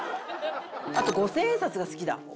あと五千円札が好きだ。